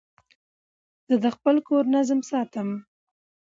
زه د خپل کور نظم ساتم.